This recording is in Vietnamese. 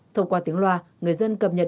thông qua tiếng loa người dân cập nhật